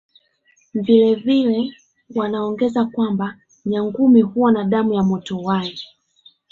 Vile vile wanaongeza kwamba Nyangumi huwa na damu motoY